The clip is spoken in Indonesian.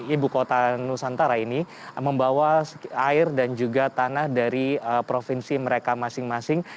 ibu kota nusantara ini membawa air dan juga tanah dari provinsi mereka masing masing